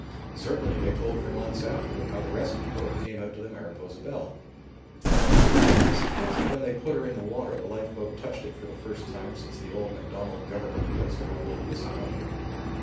Certainly they told for months after of how the rescue boat came out to the Mariposa Belle. I suppose that when they put her in the water the lifeboat touched it for the first time since the old Macdonald Government placed her on Lake Wissanotti.